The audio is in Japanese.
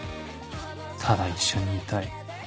ただ一緒にいたい